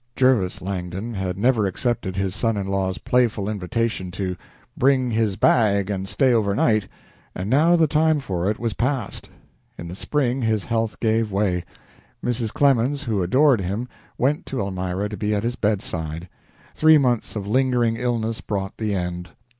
Jervis Langdon had never accepted his son in law's playful invitation to "bring his bag and stay overnight," and now the time for it was past. In the spring his health gave way. Mrs. Clemens, who adored him, went to Elmira to be at his bedside. Three months of lingering illness brought the end.